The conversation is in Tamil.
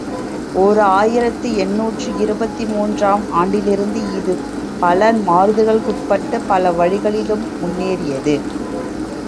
ஓர் ஆயிரத்து எண்ணூற்று இருபத்து மூன்று ஆம் ஆண்டிலிருந்து, இது பல மாறுதல்களுக்குட்பட்டுப் பல வழிகளிலும் முன்னேறியது.